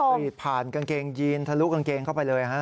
รีดผ่านกางเกงยีนทะลุกางเกงเข้าไปเลยฮะ